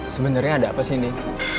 sebenernya ada apa sih nih